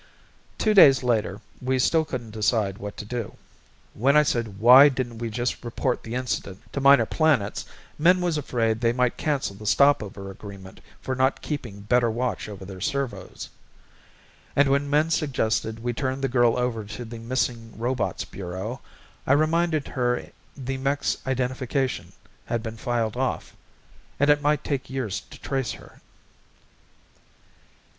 Two days later we still couldn't decide what to do. When I said why didn't we just report the incident to Minor Planets, Min was afraid they might cancel the stopover agreement for not keeping better watch over their servos. And when Min suggested we turn the girl over to the Missing Robots Bureau, I reminded her the mech's identification had been filed off and it might take years to trace her.